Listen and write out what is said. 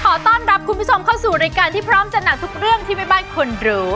ขอต้อนรับคุณผู้ชมเข้าสู่รายการที่พร้อมจัดหนักทุกเรื่องที่แม่บ้านควรรู้